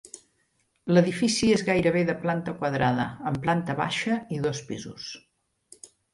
L'edifici és gairebé de planta quadrada, amb planta baixa i dos pisos.